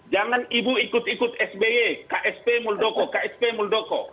jangan ibu ikut ikut sby ksp muldoko ksp muldoko